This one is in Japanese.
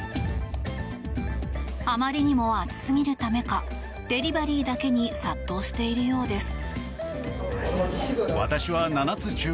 あまりにも暑すぎるためかデリバリーだけに殺到しているようです。